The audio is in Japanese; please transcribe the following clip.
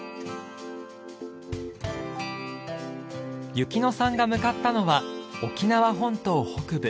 由希乃さんが向かったのは沖縄本島北部